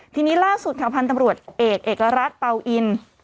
ทีนี้ล่าสุดค่ะพันธุ์ตำรวจเอกเอกรัฐเป่าอิน